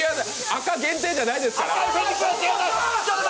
赤限定じゃないですから。